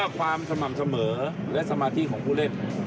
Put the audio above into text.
ความสม่ำเสมอและสมาธิของผู้เล่น